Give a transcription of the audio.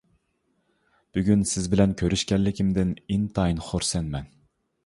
بۈگۈن سىز بىلەن كۆرۈشكەنلىكىمدىن ئىنتايىن خۇرسەنمەن.